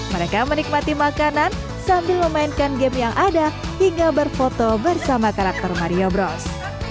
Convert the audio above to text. mereka menikmati makanan sambil memainkan game yang ada hingga berfoto bersama karakter mario bros